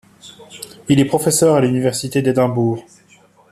Il est professeur à l'université d'Édimbourg.